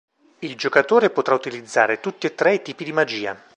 Il giocatore potrà utilizzare tutti e tre i tipi di magia.